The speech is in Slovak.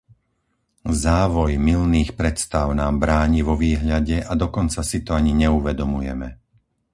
Závoj mylných predstáv nám bráni vo výhľade a dokonca si to ani neuvedomujeme.